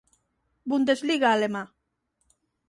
Bundesliga alemá.